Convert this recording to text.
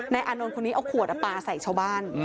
อานนท์คนนี้เอาขวดปลาใส่ชาวบ้าน